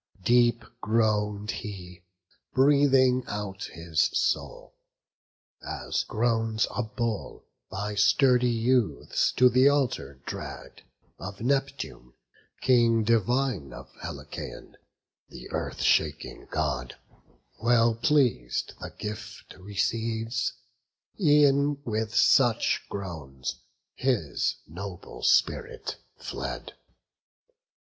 Deep groan'd he, breathing out his soul, as groans A bull, by sturdy youths to th' altar dragg'd Of Neptune, King divine of Helice; Th' Earth shaking God, well pleas'd, the gift receives; E'en with such groans his noble spirit fled.